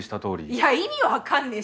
いや意味分かんねえし！